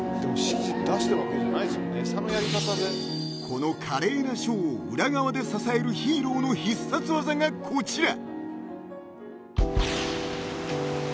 ［この華麗なショーを裏側で支えるヒーローの必殺技がこちら］